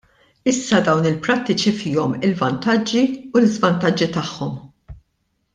Issa dawn il-prattiċi fihom il-vantaġġi u l-iżvantaġġi tagħhom.